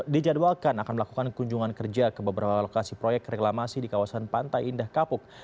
dijadwalkan akan melakukan kunjungan kerja ke beberapa lokasi proyek reklamasi di kawasan pantai indah kapuk